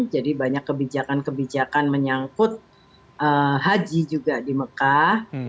jadi banyak kebijakan kebijakan menyangkut haji juga di mekah